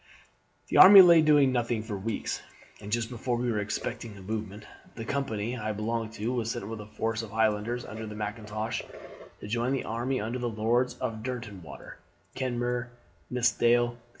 "The army lay doing nothing for weeks, and just before we were expecting a movement, the company I belonged to was sent with a force of Highlanders under Mackintosh to join the army under the Lords Derwentwater, Kenmure, and Nithsdale.